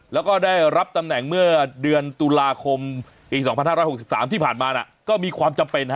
แล้วก็ได้รับตำแหน่งเมื่อเดือนตุลาคมปี๒๕๖๓ที่ผ่านมาก็มีความจำเป็น